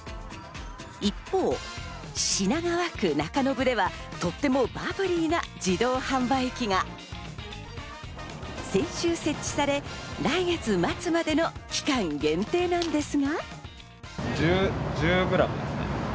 一方、品川区中延ではとってもバブリーな自動販売機が先週、設置され、来月末までの期間限定なんですが。